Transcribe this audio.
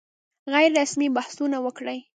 غیر رسمي بحثونه وکړي.